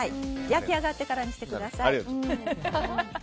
焼き上がってからにしてください。